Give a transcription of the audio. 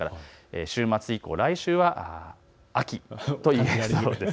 週末以降、来週は秋といえそうです。